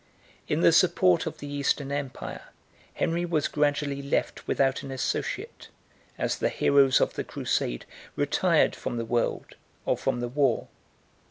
In the support of the Eastern empire, Henry was gradually left without an associate, as the heroes of the crusade retired from the world or from the war.